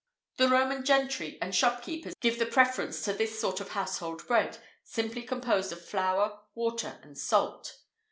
The Roman gentry and shopkeepers give the preference to this sort of household bread, simply composed of flour, water, and salt.